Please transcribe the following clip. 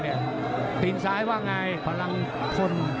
ลูกสทธิ์ซ้ายว่ากังไง